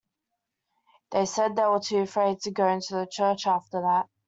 They said they were too afraid to go into the church after that.